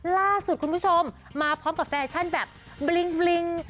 ล่าสุดคุณผู้ชมมาพร้อมกับแฟชั่นแบบบลิง